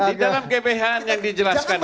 jadi di dalam gbhn yang dijelaskan ini